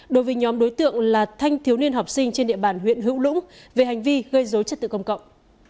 đối với nhóm đối tượng là thanh thiếu niên học sinh trên địa bàn huyện hữu lũng về hành vi gây dối trật tự công cộng